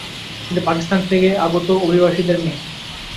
তিনি পাকিস্তান থেকে আগত অভিবাসীদের মেয়ে।